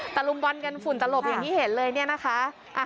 ลุมบอลกันฝุ่นตลบอย่างที่เห็นเลยเนี่ยนะคะ